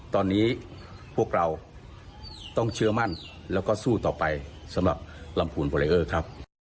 ตอนนี้พวกเราต้องเชื่อมั่นแล้วก็สู้ต่อไปสำหรับลำพูนฟอเรอร์ครับ